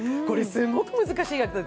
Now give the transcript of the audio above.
これ、すごく難しい役。